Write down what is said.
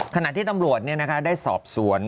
ขณะที่ตำรวจได้สอบสวน